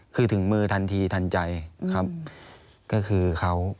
คือถึงมือทันทีทันใจครับก็คือเขา